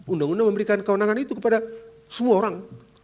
undang undang memberikan kewenangan itu kepada semua orang